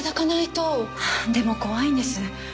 でも怖いんです。